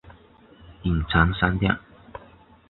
隐藏商店